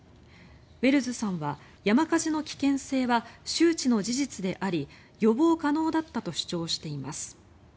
ウェルズさんは山火事の危険性は周知の事実であり予防可能だったと主張しています。